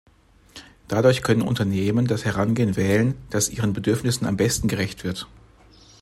Dadurch können Unternehmen das Herangehen wählen, das ihren Bedürfnissen am besten gerecht wird.